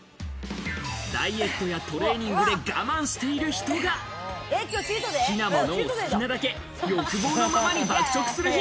ダイエットやトレーニングで我慢している人が好きなものを好きなだけ、欲望のままに爆食する日。